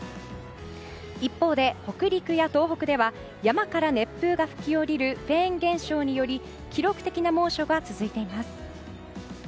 一方で、北陸や東北では山から熱風が吹き下りるフェーン現象により記録的な猛暑が続いています。